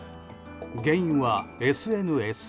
原因はＳＮＳ。